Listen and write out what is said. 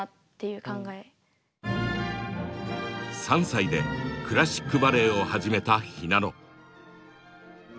３歳でクラシックバレエを始めたひなの。